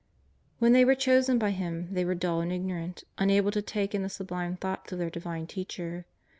When they were chosen by Him they were dull and ignorant, un able to take in the sublime thoughts of their Divine Teacher.